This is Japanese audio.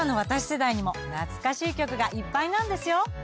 世代にも懐かしい曲がいっぱいなんですよ。